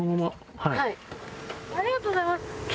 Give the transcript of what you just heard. ありがとうございます。